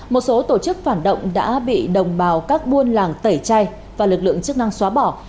một số tổ chức phản động đã bị đồng bào các buôn làng tẩy chay và lực lượng chức năng xóa bỏ